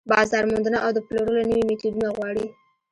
بازار موندنه او د پلورلو نوي ميتودونه غواړي.